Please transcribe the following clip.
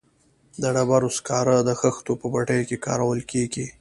د ډبرو سکاره د خښتو په بټیو کې کارول کیږي